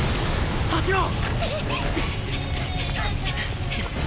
走ろう！